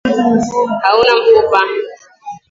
Hauna mfupa.